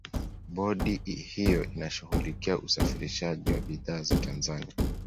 bodi hiyo inashughulikia usafirishaji wa bidhaa za tanzania